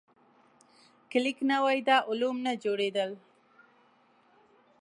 که لیک نه وای، دا علوم نه جوړېدل.